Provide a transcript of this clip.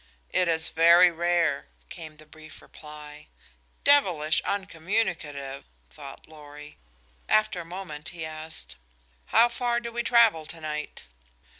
"It is very rare," came the brief reply. "Devilish uncommunicative," thought Lorry. After a moment he asked: "How far do we travel tonight?"